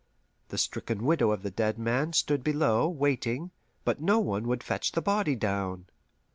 The stricken widow of the dead man stood below, waiting, but no one would fetch the body down.